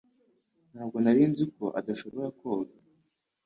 Ntabwo nari nzi ko udashobora koga